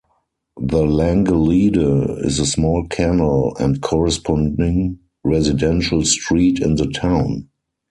The Langelede is a small canal and corresponding residential street in the town.